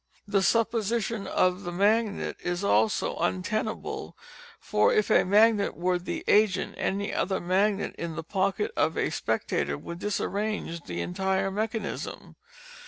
The supposition of the magnet is also untenable—for if a magnet were the agent, any other magnet in the pocket of a spectator would disarrange the entire mechanism.